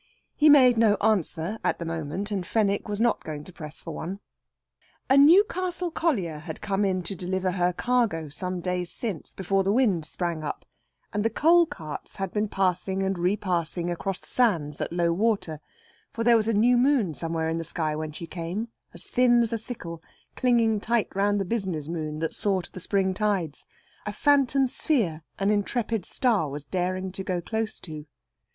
He made no answer at the moment, and Fenwick was not going to press for one. A Newcastle collier had come in to deliver her cargo some days since, before the wind sprang up, and the coal carts had been passing and repassing across the sands at low water; for there was a new moon somewhere in the sky when she came, as thin as a sickle, clinging tight round the business moon that saw to the spring tides, a phantom sphere an intrepid star was daring to go close to.